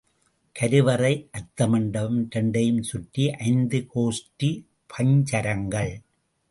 கருவறை, அர்த்தமண்டபம் இரண்டையும் சுற்றி ஐந்து கோஷ்ட பஞ்சரங்கள்.